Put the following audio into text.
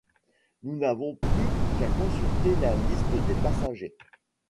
Nous n'avons plus qu'à consulter la liste des passagers.